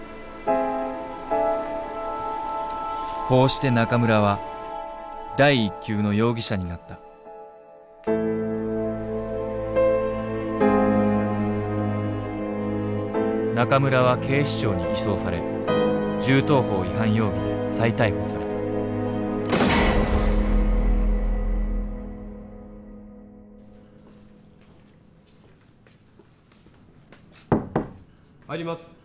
こうして中村は第一級の容疑者になった中村は警視庁に移送され銃刀法違反容疑で再逮捕された・入ります。